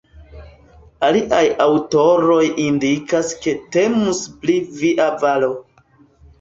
Aliaj aŭtoroj indikas ke temus pri "via valo".